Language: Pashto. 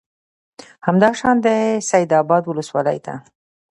همدا شان د سید آباد ولسوالۍ ته